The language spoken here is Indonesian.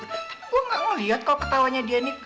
tapi gua gak ngeliat kalo ketawanya dia nih